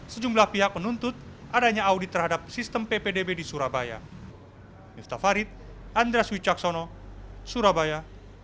sejumlah pihak menuntut adanya audit terhadap sistem ppdb di surabaya